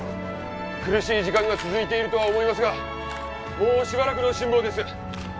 苦しい時間が続いているとは思いますがもうしばらくの辛抱です